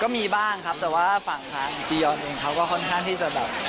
บ้างครับแต่ว่าฝั่งทางจียอนเองเขาก็ค่อนข้างที่จะแบบ